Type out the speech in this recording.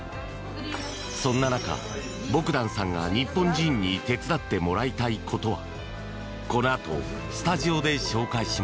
そんな中、ボグダンさんが日本人に手伝ってもらいたいことは？